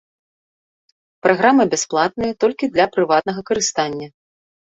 Праграма бясплатная толькі для прыватнага карыстання.